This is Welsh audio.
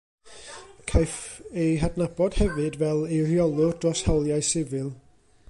Caiff ei hadnabod hefyd fel eiriolwr dros hawliau sifil.